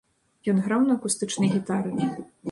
Ён граў на акустычнай гітары.